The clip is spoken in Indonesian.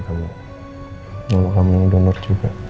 kamu yang donor juga